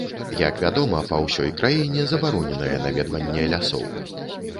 Як вядома, па ўсёй краіне забароненае наведванне лясоў.